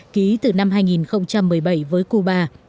ký từ năm hai nghìn một mươi bảy với cuba